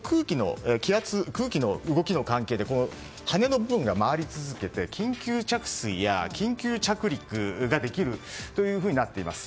空気の動きの関係で羽の部分が回り続けて緊急着水や緊急着陸ができるというふうになっています。